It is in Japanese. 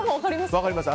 分かります。